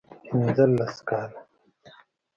پنځه لس کاله